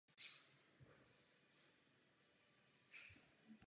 Hlavní část jeho tvorby tvoří drama.